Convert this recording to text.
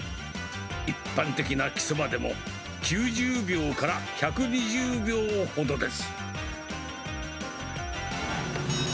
一般的な生そばでも、９０秒から１２０秒ほどです。